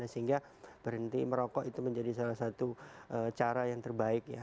sehingga berhenti merokok itu menjadi salah satu cara yang terbaik ya